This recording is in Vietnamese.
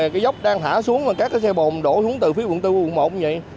cái dốc đang thả xuống các cái xe bồn đổ xuống từ phía quận bốn quận một cũng như vậy